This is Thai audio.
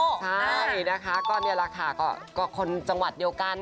ใช่นะคะก็ราคาก็คนจังหวัดเดียวกัน